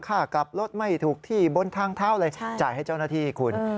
กลับรถไม่ถูกที่บนทางเท้าเลยจ่ายให้เจ้าหน้าที่คุณ